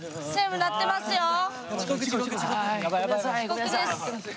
遅刻です。